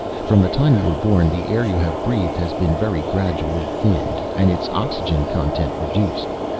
"From the time you were born the air you have breathed has been very gradually thinned and its oxygen content reduced.